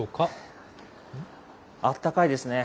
あったかいですね。